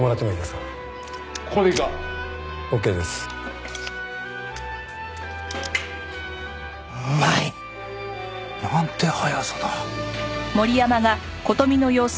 うまい！なんて速さだ。